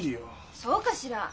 そうかしら？